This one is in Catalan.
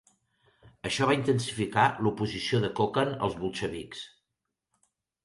Això va intensificar l'oposició de Kokand als bolxevics.